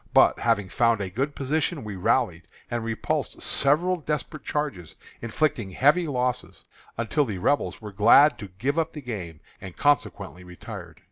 But, having found a good position, we rallied, and repulsed several desperate charges, inflicting heavy losses, until the Rebels were glad to give up the game, and consequently retired.